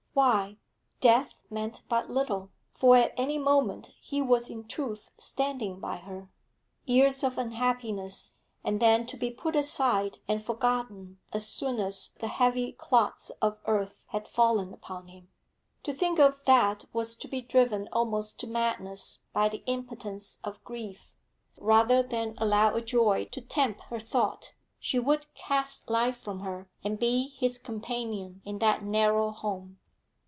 Why, death meant but little, for at any moment he was in truth standing by her. Years of unhappiness, and then to be put aside and forgotten as soon as the heavy clods of earth had fallen upon him? To think of that was to be driven almost to madness by the impotence of grief. Rather than allow a joy to tempt her thought, she would cast life from her and be his companion in that narrow home.